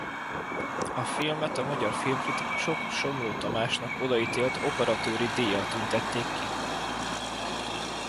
A filmet a magyar filmkritikusok Somló Tamásnak odaítélt operatőri díjjal tüntették ki.